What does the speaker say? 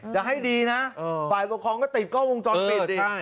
จะให้ดีนะฝ่ายปกครองก็ติดกล้องวงจรปิดดิ